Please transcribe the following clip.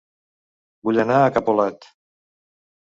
Vull anar a Capolat